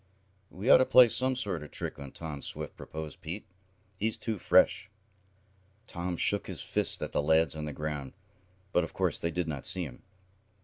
"We ought to play some sort of a trick on Tom Swift," proposed Pete. "He's too fresh!" Tom shook his fist at the lads on the ground, but of course they did not see him.